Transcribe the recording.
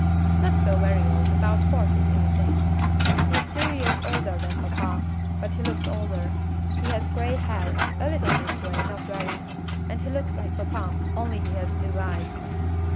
"Not so very old, about forty, I think; he is two years older than papa, but he looks older; he has grey hair, a little bit grey, not very, and he looks like papa, only he has blue eyes.